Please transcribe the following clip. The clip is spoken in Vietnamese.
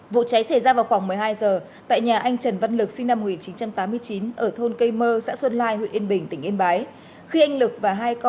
vụ cháy xảy ra vào khoảng một mươi hai giờ tại nhà anh trần văn lực sinh năm một nghìn chín trăm tám mươi chín ở thôn cây mơ xã xuân lai huyện yên bình tỉnh yên bái